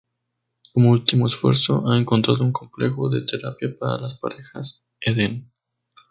Como último esfuerzo, han encontrado un complejo de terapia para las parejas, "Eden".